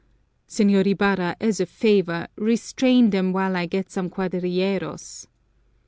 "Señor Ibarra, as a favor! Restrain them while I get some cuadrilleros."